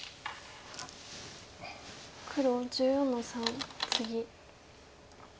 黒１４の三ツギ。